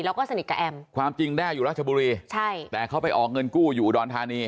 แล้วก็สนิทกับแอมความจริงแด้อยู่ราชบุรีใช่แต่เขาไปออกเงินกู้อยู่อุดรธานี